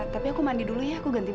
tapi aku mandi dulu ya aku ganti